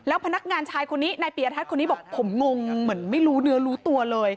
พนักงานชายคนนี้นายปียทัศน์คนนี้บอกผมงงเหมือนไม่รู้เนื้อรู้ตัวเลย